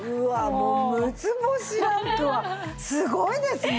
もう６つ星ランクはすごいですね！